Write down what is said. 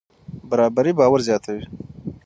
برابري باور زیاتوي.